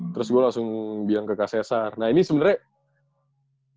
terus gue langsung bilang ke kak sesar nah ini sebenarnya